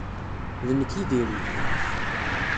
D nekk i diri.